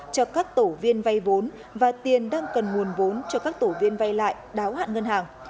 cho các tổ viên vay vốn và tiền đang cần nguồn vốn cho các tổ viên vay lại đáo hạn ngân hàng